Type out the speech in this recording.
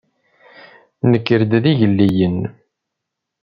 Nenker-d d igellilen.